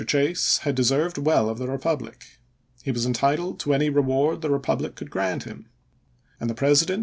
Chase had deserved well of the republic. He was entitled to any reward the republic could grant him ; and the President, in Vol.